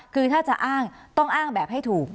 คือถ้าจะอ้างต้องอ้างแบบให้ถูก